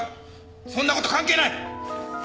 そんな事関係ない！